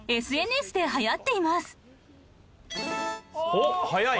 おっ早い。